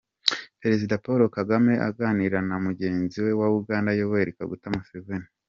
Perezida Paul Kagame aganira na mugenzi we wa Uganda Yoweli Kaguta Museveni.